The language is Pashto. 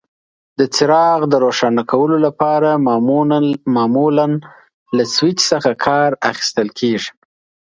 د څراغ د روښانه کولو لپاره معمولا له سویچ څخه کار اخیستل کېږي.